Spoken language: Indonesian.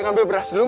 ambil beras dulu boy